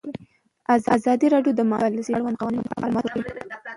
ازادي راډیو د مالي پالیسي د اړونده قوانینو په اړه معلومات ورکړي.